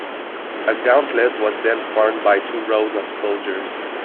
A gauntlet was then formed by two rows of soldiers.